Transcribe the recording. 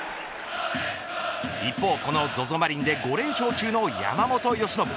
一方、このＺＯＺＯマリンで５連勝中の山本由伸。